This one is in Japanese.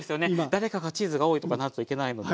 誰かがチーズが多いとかなるといけないので。